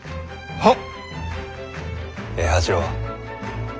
はっ！